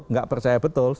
nggak percaya betul